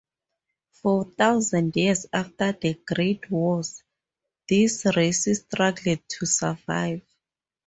For a thousand years after the Great Wars, these races struggled to survive.